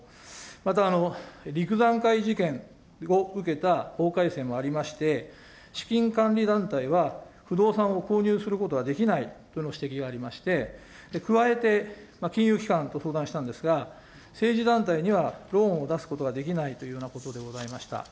また、陸山会事件を受けた法改正もありまして、資金管理団体は不動産を購入することはできないとの指摘がありまして、加えて、金融機関と相談したんですが、政治団体にはローンを出すことができないというようなことでございました。